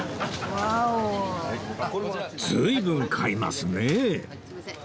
随分買いますね